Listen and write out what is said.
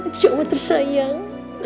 cucu oma tersayang